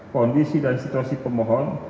kondisi dan situasi pemohon